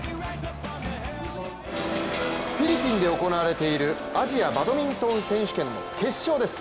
フィリピンで行われているアジアバドミントン選手権の決勝です。